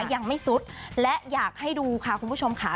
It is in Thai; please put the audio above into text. ยังไม่สุดและอยากให้ดูค่ะคุณผู้ชมค่ะ